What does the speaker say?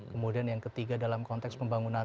kemudian yang ketiga dalam konteks pembangunan